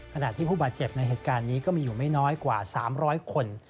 ขณะที่ผู้บาดเจ็บในเหตุการณ์นี้ก็มีอยู่ไม่น้อยกว่า๓๐๐คน